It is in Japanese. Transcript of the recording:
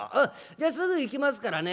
じゃすぐ行きますからね